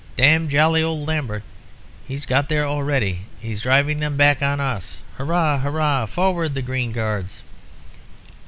'Damned jolly old Lambert! He's got there already! He's driving them back on us! Hurrah! hurrah! Forward, the Green Guards!'